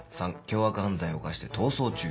３凶悪犯罪を犯して逃走中。